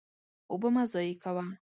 اوبه مه ضایع کوه.